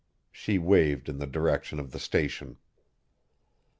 She waved in the direction of the Station.